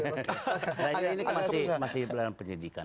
ini masih dalam penyidikan